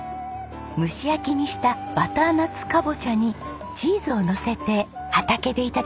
蒸し焼きにしたバターナッツカボチャにチーズをのせて畑で頂きます。